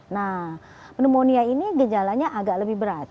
nah pneumonia ini gejalanya agak lebih berat